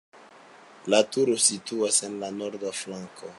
La turo situas en la norda flanko.